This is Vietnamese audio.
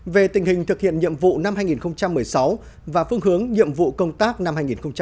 về tình hình thực hiện nhiệm vụ năm hai nghìn một mươi sáu và phương hướng nhiệm vụ công tác năm hai nghìn hai mươi